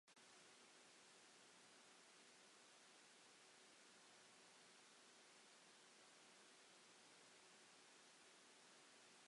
Mae angen gofal mawr gyda phreifatrwydd a materion hawlfraint wrth gasglu corpora.